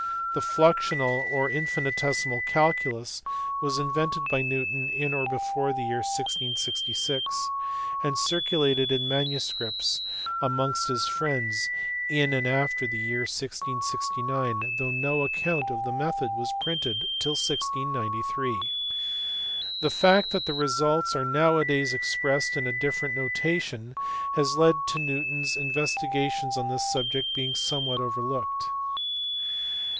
The fluxional or NEWTON S DISCOVERIES. 357 infinitesimal calculus was invented by Newton in or before the year 1666, and circulated in manuscript amongst his friends in and after the year 1669, though no account of the method was printed till 1693. The fact that the results are now a days expressed in a different notation has led to Newton s investigations on this subject being somewhat overlooked.